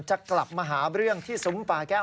จะกลับมาหาเรื่องที่ซุ้มปาแก้ว